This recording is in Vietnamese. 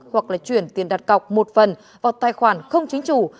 hoặc là chuyển tiền đặt cọc một phần vào tài khoản không chính chủ